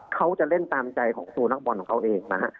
เขาจะเล่นตามใจของตัวนักบอลของเขาเองนะฮะ